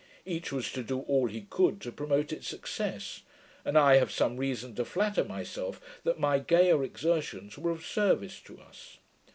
Each was to do all he could to promote its success; and I have some reason to flatter myself, that my gayer exertions were of service to us.